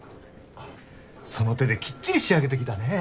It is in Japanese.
その手でキッチリ仕上げてきたね。